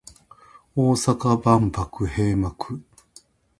大阪万博閉幕